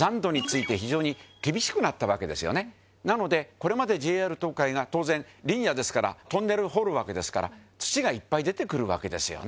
これまでＪＲ東海が錡リニアですからトンネルを掘るわけですから擇いっぱい出てくるわけですよね。